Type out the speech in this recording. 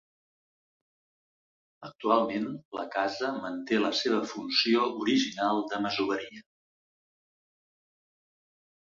Actualment la casa manté la seva funció original de masoveria.